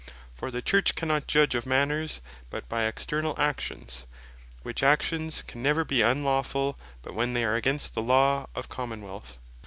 For the Church cannot judge of Manners but by externall Actions, which Actions can never bee unlawfull, but when they are against the Law of the Common wealth.